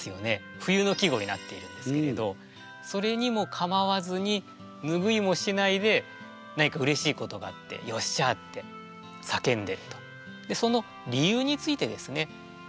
冬の季語になっているんですけれどそれにも構わずに拭いもしないで何かうれしいことがあって「よっしゃあ」って叫んでると。